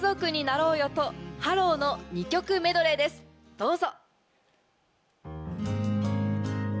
どうぞ。